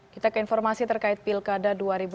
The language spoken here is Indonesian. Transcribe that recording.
kita ke informasi terkait pilkada dua ribu delapan belas